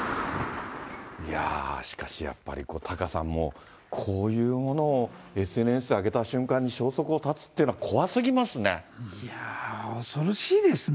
いやーしかしやっぱり、タカさん、もうこういうものをＳＮＳで上げた瞬間に消息を絶つっていうのは、いやー、恐ろしいですね。